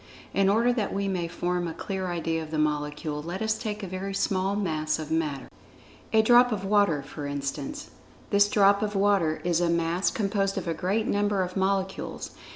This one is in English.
In order that we may form a clear idea of the Molecule, let[Pg 67] us take a very small Mass of Matter—a drop of water, for instance. This drop of water is a Mass composed of a great number of molecules.